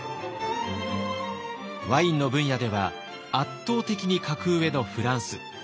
ワインの分野では圧倒的に格上のフランス。